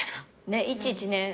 いちいちね